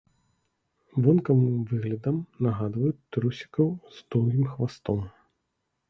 Вонкавым выглядам нагадваюць трусікаў з доўгім хвастом.